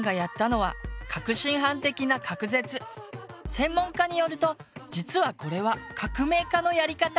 専門家によると実はこれは「革命家」のやり方。